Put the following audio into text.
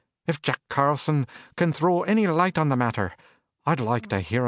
If Jack Carlson can throw any light on the matter, I'd like to hear him do it."